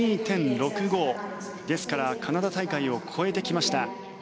ですからカナダ大会を超えてきました。